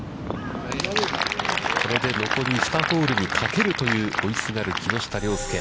これで残り２ホールにかけるという追いすがる木下稜介。